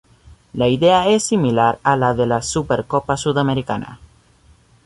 La idea es similar a la de la Supercopa Sudamericana.